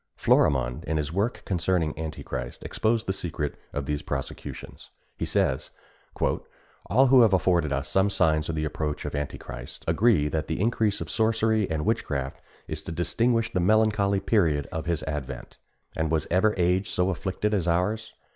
Florimond, in his work concerning Antichrist, exposed the secret of these prosecutions. He says: "All who have afforded us some signs of the approach of Antichrist agree that the increase of sorcery and witchcraft is to distinguish the melancholy period of his advent; and was ever age so afflicted as ours?